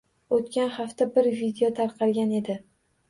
Oʻtgan hafta bir video tarqalgan edi.